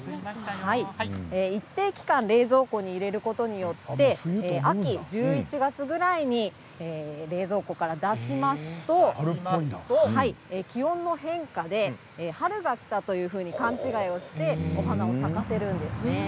一定期間、冷蔵庫に入れることによって秋１１月ぐらいに冷蔵庫から出しますと気温の変化で春がきたというふうに勘違いをしてお花を咲かせるんです。